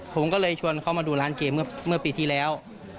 ผมก็เลยชวนเขามาดูร้านเกมเมื่อปีที่แล้ว